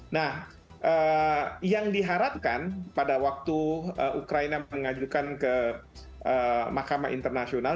nah yang diharapkan pada waktu ukraina mengajukan ke mahkamah internasional